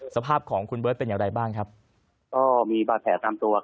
สภาพของคุณเบิร์ตเป็นอย่างไรบ้างครับก็มีบาดแผลตามตัว